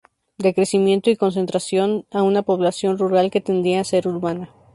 De crecimiento y concentración de una población rural que tendía a ser urbana.